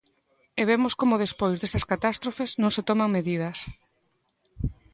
E vemos como despois destas catástrofes non se toman medidas.